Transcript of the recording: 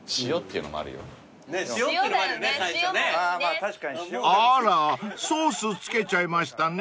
［あらソース付けちゃいましたね］